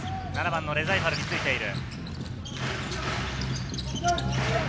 ７番のレザイファルについている。